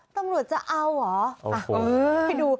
ตำรวจจะเอาเหรอ